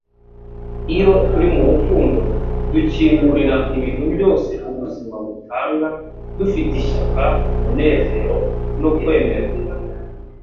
Iyo turi mu rukundo, dukingurira ibintu byose ubuzima butanga dufite ishyaka, umunezero, no kwemerwa.”